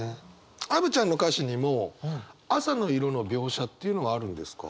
アヴちゃんの歌詞にも朝の色の描写っていうのはあるんですか？